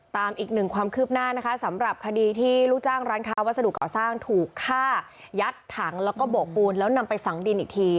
ตามอีกหนึ่งความคืบหน้านะคะสำหรับคดีที่ลูกจ้างร้านค้าวัสดุก่อสร้างถูกฆ่ายัดถังแล้วก็โบกปูนแล้วนำไปฝังดินอีกที